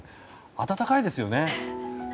暖かいですよね。